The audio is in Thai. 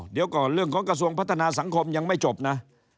เดี๋ยวก่อนเรื่องของกระทรวงพัฒนาสังคมยังไม่จบนะ